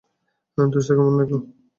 দোস্ত, কেমন লাগলো?